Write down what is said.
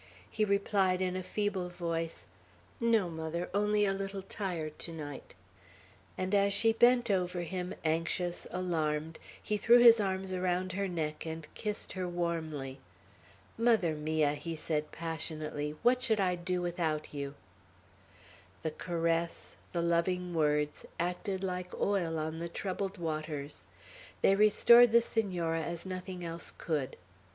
he replied in a feeble voice, "No, mother, only tired a little to night;" and as she bent over him, anxious, alarmed, he threw his arms around her neck and kissed her warmly. "Mother mia!" he said passionately, "what should I do without you?" The caress, the loving words, acted like oil on the troubled waters. They restored the Senora as nothing else could.